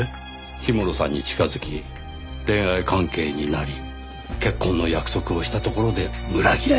氷室さんに近づき恋愛関係になり結婚の約束をしたところで裏切れ。